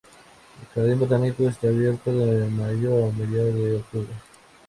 El jardín botánico está abierto de mayo a mediados de octubre.